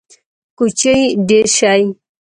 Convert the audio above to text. کوچي ډیر شي